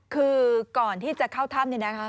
คือก่อนที่จะเข้าถ้ำเนี่ยนะคะ